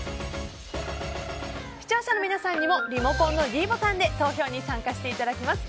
視聴者の皆さんにもリモコンのｄボタンで投票に参加していただきます。